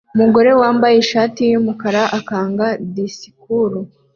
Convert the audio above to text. Umugore wambaye ishati yumukara atanga disikuru